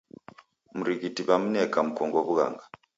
Mrighiti wamneka mkongo w'ughanga.